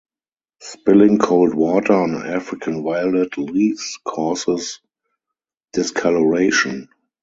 Spilling cold water on African violet leaves causes discoloration.